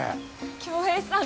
恭平さん。